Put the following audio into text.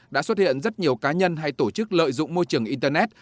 đã xuất hiện rất nhiều cá nhân hay tổ chức lợi dụng môi trường internet